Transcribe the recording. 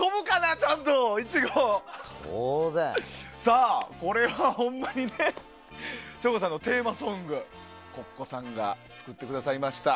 さあ、これはほんまに省吾さんのテーマソングＣｏｃｃｏさんが作ってくださりました。